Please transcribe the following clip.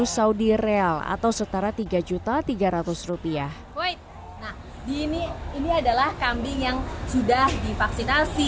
delapan ratus lima puluh saudi real atau setara tiga juta tiga ratus rupiah ini ini adalah kambing yang sudah divaksinasi